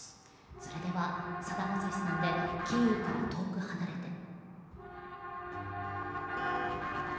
それではさだまさしさんで「キーウから遠く離れて」。